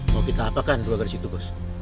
mau kita apa kan dua gadis itu bos